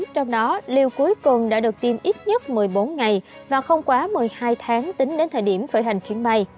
trong đó lưu cuối cùng đã được tin ít nhất một mươi bốn ngày và không quá một mươi hai tháng tính đến thời điểm khởi hành chuyến bay